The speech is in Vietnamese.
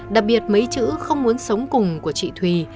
đặc biệt mấy chữ không muốn sống cùng của chị thùy